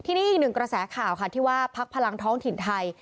ทีนี้อีกหนึ่งกระแสข่าวค่ะที่ว่าพักพลังท้องถิ่นไทย